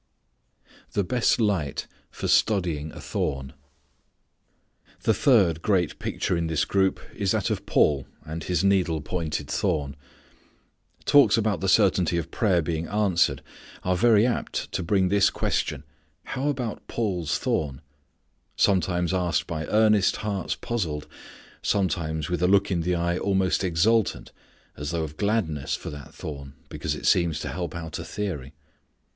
The Best Light for Studying a Thorn. The third great picture in this group is that of Paul and his needle pointed thorn. Talks about the certainty of prayer being answered are very apt to bring this question: "What about Paul's thorn?" Sometimes asked by earnest hearts puzzled; _some_times with a look in the eye almost exultant as though of gladness for that thorn because it seems to help out a theory.